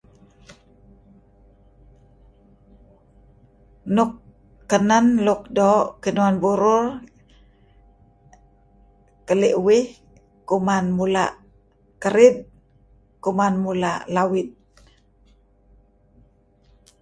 Nuk kenen luk doo' kiuan burur keli' uih, kuman mula' kerid, kuman mula' lawid.